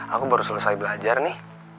aku baru selesai belajar nih